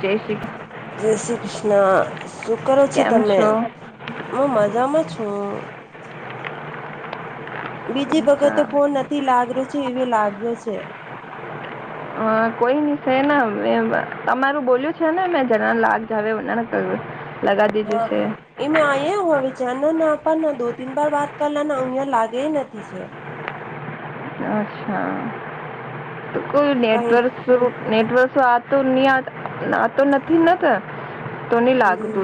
જય શ્રી કૃષ્ણ. જય શ્રી કૃષ્ણ! શું કરો છૌ કેમ તમે? છો હું મજામાં છું. બીજી વગત અચ્છા, ફોન નથી લાગરો છે એવ લાગ્યો છે. હ કોઈની છે ને, તમારું બોલ્યું છે ને મે જના લાગ જાવ કર્યું [unintelligible] હં ઈ મે અયા [inaudible] ધ્યાન નતુ પણ દો તીન બાર વાત કરલાને અહંયા લાગે નથી છે. અ્છા તો કોઈ કઈ નેટવર્ક નેટવર આતું ની આ નાતો નથી નત હમ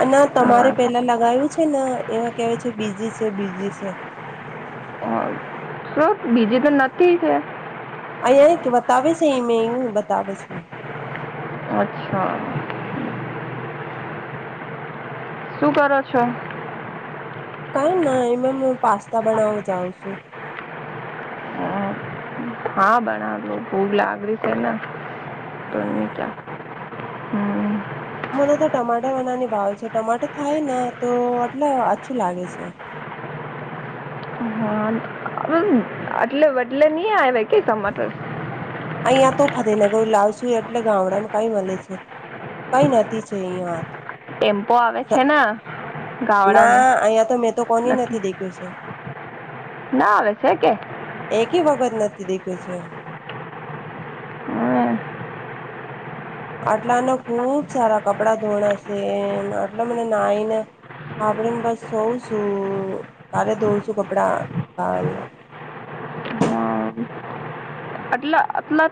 અને તમારે હા, પેલા લગાયુ છ છેન એમાં કેવાય છે બીઝી છે બીઝી છે. શુ બીજી તો નથી છે? અહીયા એક બતાવે છે એ મેં બતાવો છું. અચ્છા શું કરો છો? કઈ ના, એમાં હું પાસ્તા બનાવવા જાઉં છું. હા, હા બનાવ ભૂગ લાગરી છે ને તો [unintelligible] હમ! મને તો ટમાટાર વનાની ભાવે છે. ટમાટર થાય ને તો એટલે અછું લાગે છે [inaudible] હા આટલે બટલે નહી આવે કે ટમાટર? અહીં તો ફતેનગર લાવશું? એટલે ગામડામાં કઈ જ મળે છે. કઈ નથી છે [unintelligible] ટેમ્પો આવે છે ના ના અહીંયા તો મેં તો કોની નથી દેખ્યું છે. ના આવે છે, કે એકી વખત નથી દેખ્યું છે. હમ, આટલાને ખુબ સારા કપડા ધોણાશે આટલા મને નાઈને હા આભડીને બસ ધોવું છું કાલે ધોવું છું કપડા કાલે [inaudible] હા. આટલા આટલા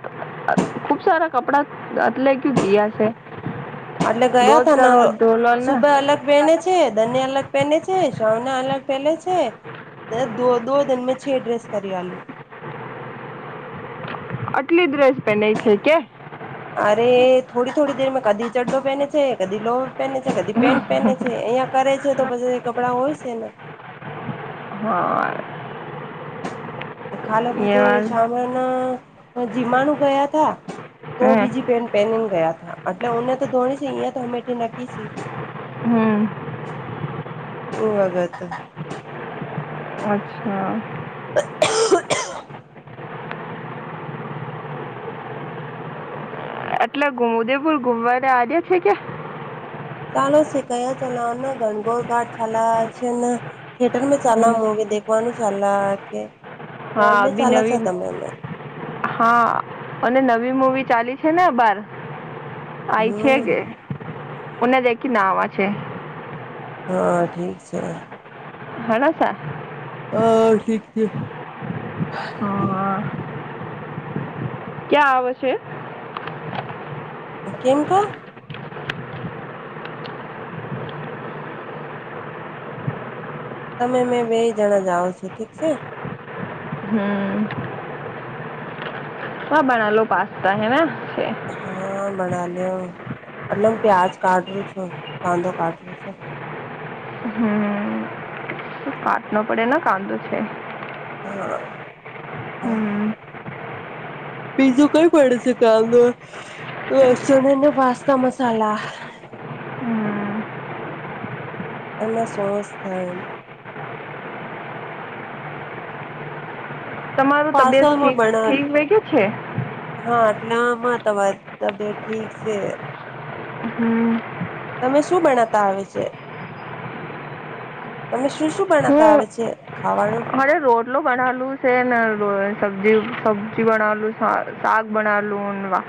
ખુબ સારા કપડા આટલે કયુ કયા છે. આટલે ગયા રોજ તાન ના રોજ ધોલો ને સુભે અલગ વેને છે, દને અલગ પેને છે, સવના અલગ પેલે છે. તે દો દો દન મેં છે ડ્રેસ કરી આલી આટલી ડ્રેસ પેને છે કે? અરે થોડી થોડી દેરમાં કદી ચડડો પહેને છે, કદી લોવ પહેને છે, કદી પેન્ટ પહેને છે, અહીંયા કરે છે, તો પછી કપડાં હોય છે, ના હા. ખાલે એ પછી વાત શામળના જીમાણુ ગયા તા તો હમ, બીજી પેન પહેનીને ગયા તા એટલે ઓને તો ધોણી છે, અહીયાયા તો અમેથી નકી છે. હમ્મ. ઉ વાગે તો અચ્છા [inaudible] એટલે ગુ ઉદેપુર ગુમવારે આજે છે કે ચાલો શેખ ચલાને ગનગોર ઘાટ ચાલ છે, ને થિયેટર ચાલ હમ, મૂવી દેખવાનું ચાલા કે હા બોલ મે અભી ચાલો છો નવી તમે અને હા અને નવી મુવી ચાલી છે, ને બાર આઈ છે, હમ કે ઓને દેખી નાવા છે. હા ઠીક છે. હણાસા હ થીક છે. હા ક્યાં આવે છે. કેમ કા તમે મેં બે જણા જાઓ છો ઠીક છે. હમ્મ. બના લો પાસ્તા હેને? હા. બનાલ્યો એટલે હું પ્યાજ કાઢું છું કાંદો કાઢવું છે. કાટ નો પડે ને કાંદો છે. હા. હમ્મ. બીજું કઈ પડે છે, કાદો લસણ હેને પાસ્તા મસાલા હમ અને સોસ ખાય તમારું તબિયત પાર્સલમાં ઠીક બના ઠીક વધ્યું છે. ના માં તમાર તબિયત ઠીક છે. હમ્મ. તમે શું બણાતા આવે છે? તમે શું શું ભણાતા આવે છે? ખાવાનું મારે રોટલો બનાલું છે ને સબજી સબ્જી બનાલું સા સાક બનાલું વા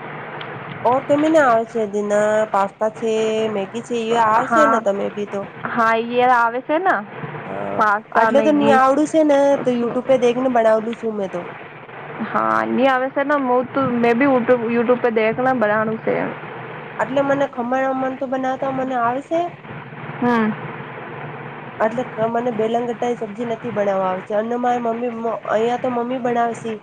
ઓ કેમને આવે છે એ દિના પાસ્તા છે મેગી છે. જ વા- આવશે ને હા તમે બી તો. હા ઈય આવે છે ને. હા પાસ્તા આટલે તો મેગી આવડું છે ને તો શું- યુટ્યુબ પે દેખને બનાવલું શું મેં તો. હા આવેસ ના મેં યુટ્યુબ પે દેખના બનાનું છે. એટલે મને ખમણ વમણ તું બનાવતા મને આવેશે. હમ એટલે મને બેલંગ ગટા સબ્જી નથી બનાવવા આવે અન્નમા મમ્મી અહીિયાયા તો મમ્મી બના પસી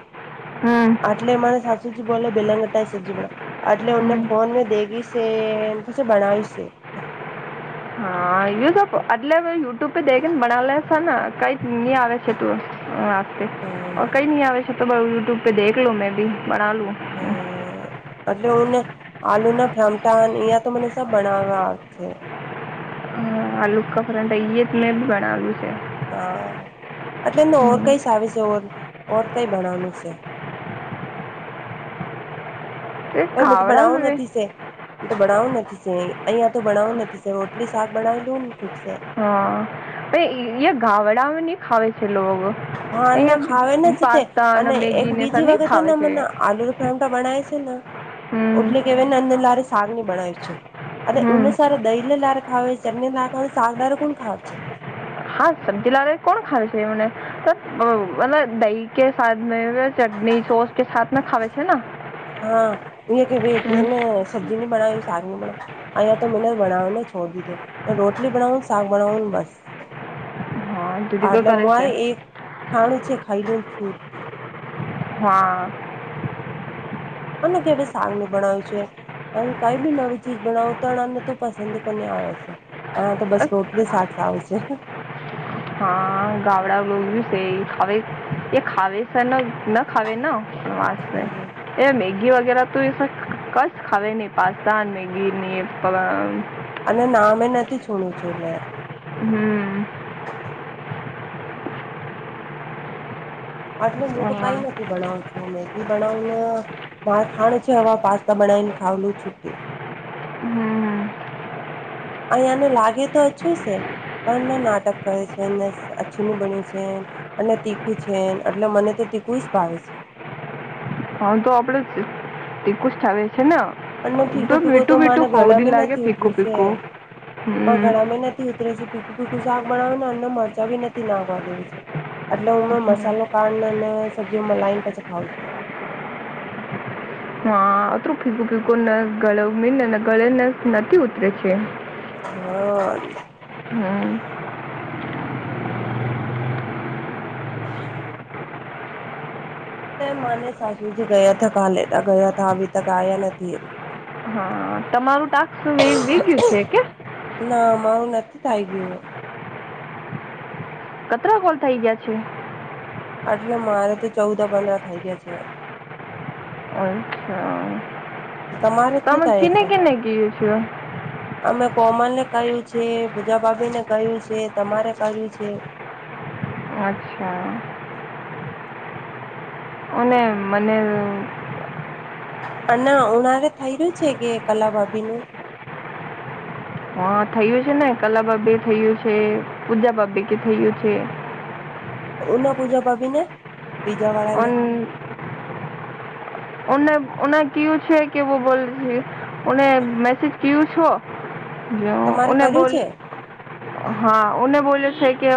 હમ આટલે મારે સાસુજી બોલે બલંગટા સરજી બા આટલેને હમ ફોન મે દેખી છે પછી બણાવ છે યુ આટલે હ યુટ્યુબે દઈ ને બના લ છે ને કઈક નઈ આવે છે તું હા કઈ ન આવે છે તો યુટ્યુબ પે દેખ લું મેં ભી બના લું એટલે હુંને આલુ ના ફામટા અહં તો મને સબ બનાવવા છે હા આ લુકા ફરટ અહી જ મેં બી બણલ્યું છે હા એટલે એમને ઓર કઈ સ આવી છે ઓર ઓર કઈ ભણવાનું છે પર મે તો બડાઉ નદીસે તો ભણાવવું નથી અહિયાયા તો ભણાવું નથી રોટલી શાક બનાાવ લું ને હા પ ગાવડામાં ન ખાવે છે લોકો હન ખાવે ને છે તે અને એક બીજી વખતેને મને આલુ ફામ તો બનાય છે ના એટલે કેવાય ને અંદર લારે શક ની બનાવી છે અરે ઉ સાર દહીલે લાર ખાવ ચણી લાર ખાવ શકદારો કોણ ખાવ છે હા સબ્જી લાવે કોણ ખાવ છે એમને મ દહી કે મે ચટણી સોસ કે સા ખાવે છે હા એ કે ભ કેને સબ્જી ની બનાવી અહીયા તો મને બનાાવને છોડ દીધો રોટલી બનાાવને સાગ બનાવાવને બસ એટલે માુંરે એક ખાણું છે ખાઈનેું છૂટતી હા અને કે હવે સાંગ ન બણવ્યું છે હ કઈ બી નવી ચીજ બનાવ તણને તો પસંદી કોને આવે છે હા તો બસ રોટીલી તો સાકસ આવે છે હા ગાવડા છે હવે એ ખાવેસર ન ના ખાવે ના એ મે ઘી વગેરા તો એ કસ ખાવ નહી પાસ્તાન મે ઘી ન અને નામે નથી છોડું છું લે હમ આટલે હું તો કઈ હમ નથી ભણાવતો તો મેગી બનાાવનેને મા ખાણ છે હવા પાસ્તા બનાાવને ખાવલું છુટી હમ અહીંયાને લાગે તોય છે પણ ના નાટક કહે છેને અછુની બન્યું છે એટલે તીખું છે એટલે મને તો તિકુસ ભાવ છે હા તો આપડે જ ટીકું જ થાવે છે છે અને એકદમ ફીકો ફીકો તો મઠું મને વિીઠું હોવડી ગળામાં લાગે નથી ઉતરું પીિકું છે પીકું પણ ગણા મે નથી ઉતરે છે પીખું પીખું શાક બનાવે અને મરચા ભી નથી નાખવા દેવી છે એટલે હું મસાલો કાઢને અને સબ્જીઓ મલાઈને પછી ખાવ છું [inaudible] તરુ ગળ મીન ગળે ને નથી ઉતરે છે [unintelligible] હમ ના માને સાસુજી ગયા હતા કાલેટ ગયા હતા હ તક આવયા નથી એ હા તમારું ટાક શું વગયું છે કે? ના મારું નથી થઈ ગયું. કતરા કોલ થઇ ગયા છે? એટલે મારે તો ચૌદા પંદર થઇ ગયા છે. અચ્છા તમારે શું તમેર થાય કને છે? કને ક છ? અમે કોમલ ને કહ્યું છે પુજા બાબીને કહ્યું છે તમારે કહ્યું છે. [inaudible] અચ્છા. અને મને અને ઉનાળે થઈ રહ્યું છે કે કલા ભાભીનું હ થયું છે ને કલા બાબે થયું છે પૂજા બાબે કે થયું છે. ઉ પૂજા પબને ભીજા વાળાને ઓન ને કયું છે કેવું બોલને મેસેજ કયું છો. તમારે કર્યું બોલ છે હા બોલે છે કે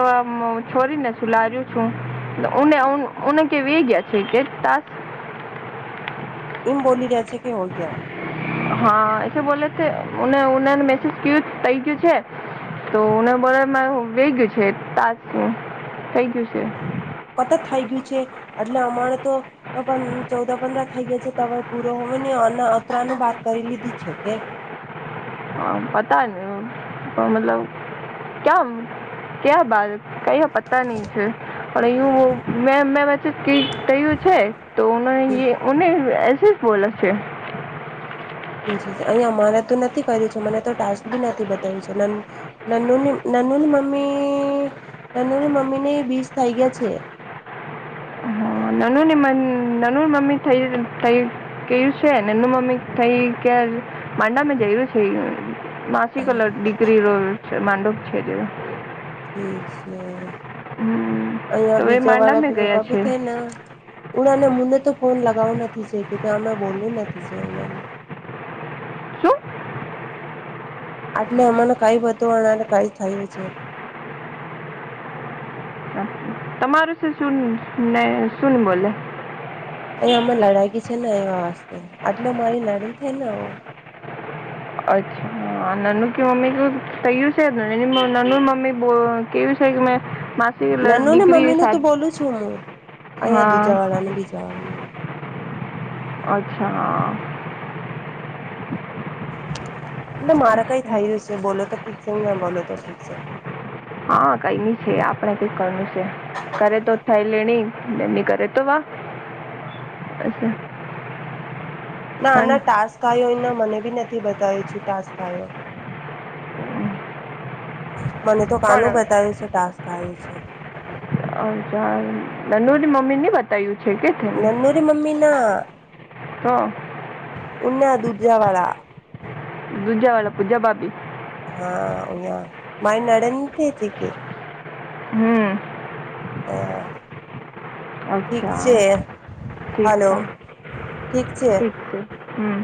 છોડીને છું લાર્યું છું. ઉને ઉને કે વ ગયા છે કે ત ઇમ બોલી રહ્યા છે કે હો ગયા. હા એછ બોલે છે ઉને ઉને મેસેજ કું થઈ ગયું છે. તોને બોલે વે ગયું છે તાસું થઈ ગયું છે. કતત થઈ ગયું છે એટલે અમારે તો પણ ચૌદા પંદર થઈ ગયા છે ત હવે પૂરો મને અ અતરા ન બાર કરી લીધી છે કે પતા ન મતલબ ક્યા ક્યા બાત કઈ પતા નહી છે પણ એ મે મે કે કું છે તોને એસી જ બોલે છે. અહી અમારે તો નથી કર્યું છે મને તો ટાસ્ક ભી નથી બતાવ્યું છે નનુ નનુ ની મમ્મી નનુની મમ્મી ને બીસ થઇ ગયા છે. હમ. નનુ ની નનુ મમ્મી થ કેયું છે નનુ મમ્મી થઈ કે મંદમાં જૈવ છે. માસિકલ ઠીક ડિગ્રી છે માંડક છે જે છે હમ, તો અહીં એ બીજા વાળા માંડામાં પૂજા ગયા ક છે ભી થાયને ઉનાને મને તો ફોન લગાવવો નથી છે કે કે આમે બોલવું નથી છે ઉનાને શું આટલે અમને કઈ બધું કઈ થયું છે. તમારું શું શું ને શું ને બોલે? અહીં અમે લડાકી છે ને એવા વસ્તે આટલે મારી નડન થઈ ને આવ અચ્છા નાનું કે મમ્મી કયું છે નાનું મમ્મી કેવું [unintelligible] લ- નાનું ને દીકરી મમ્મી નું તો શાદ બોલું છું હું અહીંયા હા દુજાવાળા ને બીજા વાળાને અચ્છા. એટલે મારે કઈ થાયયું છે બોલો તો ઠીક છે ને ના બોલો તો ઠીક છે. હા કઈ ન છે આપણેે કઈ કરનું છે કરે તો ખાઈ લેણીની કરે તો વા ના ના ટાસ્ક આવ્યો મને બી નથી બતાવેું છું ટાસ્ક આવ્યો. મને તો કોણ કાનું બતાવ્યું છે ટાસ્કાય છે. આ અ નનુ ની મમ્મી નની બતાય્યું નનુરી મ્મીના [unintelligible] ઉના દુરજવાળ દૂજા વાળા પૂજા ભાભી. હા યા મા અંત હતી કે હમ હા અચ્છા હાલો ઠક છે ઠીક છે હમ્